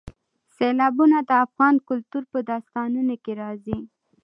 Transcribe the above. سیلابونه د افغان کلتور په داستانونو کې راځي.